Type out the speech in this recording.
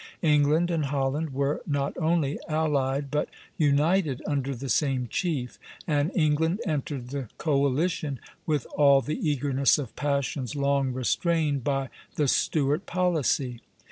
England and Holland were not only allied, but united under the same chief; and England entered the coalition with all the eagerness of passions long restrained by the Stuart policy."